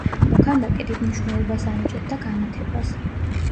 მოქანდაკე დიდ მნიშვნელობას ანიჭებდა განათებას.